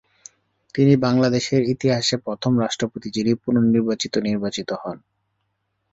তিনি বাংলাদেশের ইতিহাসে প্রথম রাষ্ট্রপতি যিনি পুনর্নির্বাচিত নির্বাচিত হন।